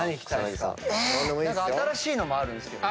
新しいのもあるんすけど。